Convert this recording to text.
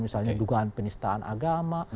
misalnya dugaan penistaan agama